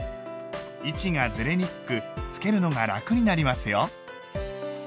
位置がずれにくくつけるのが楽になりますよ。